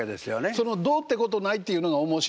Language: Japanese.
その「どうってことない」っていうのが面白うてね。